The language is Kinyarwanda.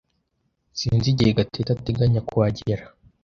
Sinzi igihe Gatete ateganya kuhagera.